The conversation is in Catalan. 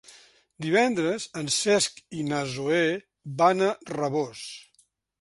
Divendres en Cesc i na Zoè van a Rabós.